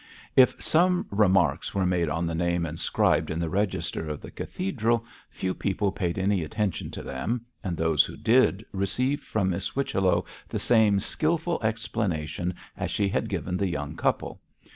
If some remarks were made on the name inscribed in the register of the cathedral, few people paid any attention to them, and those who did received from Miss Whichello the same skilful explanation as she had given the young couple.